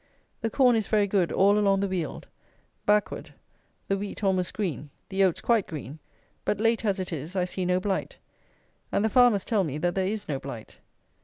The corn is very good all along the Weald; backward; the wheat almost green; the oats quite green; but, late as it is, I see no blight; and the farmers tell me that there is no blight.